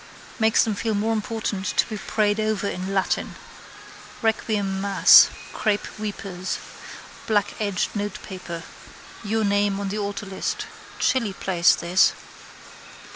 _ Makes them feel more important to be prayed over in Latin. Requiem mass. Crape weepers. Blackedged notepaper. Your name on the altarlist. Chilly place this.